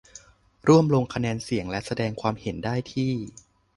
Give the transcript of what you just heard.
ร่วมลงคะแนนเสียง และแสดงความเห็นได้ที่